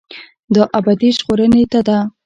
دا ابدي ژغورنې ته ده.